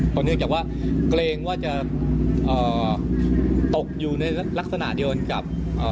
เพราะเนื่องจากว่าเกรงว่าจะตกอยู่ในลักษณะเดียวกับ